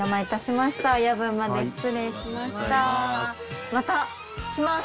また来ます。